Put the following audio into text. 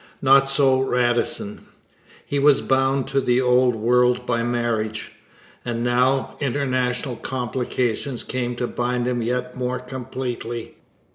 Not so Radisson! He was bound to the Old World by marriage; and now international complications came to bind him yet more completely.